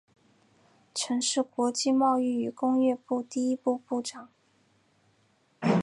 曾是国际贸易与工业部第一副部长。